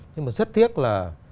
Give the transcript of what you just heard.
nhưng mà rất tiếc là